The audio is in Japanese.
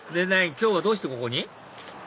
今日はどうしてここに？